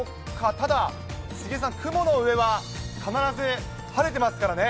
ただ、杉江さん、雲の上は必ず晴れてますからね。